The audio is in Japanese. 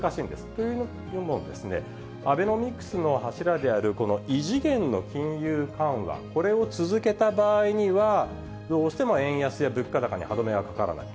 というのも、アベノミクスの柱であるこの異次元の金融緩和、これを続けた場合には、どうしても円安や物価高に歯止めがかからない。